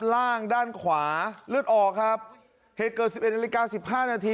ล่างด้านขวาเลือดออกครับเหตุเกิดสิบเอ็ดนาฬิกาสิบห้านาที